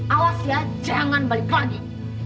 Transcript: alas ya jangan balik lagi